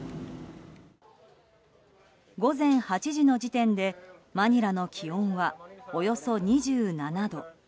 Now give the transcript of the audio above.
午前８時の時点でマニラの気温はおよそ２７度。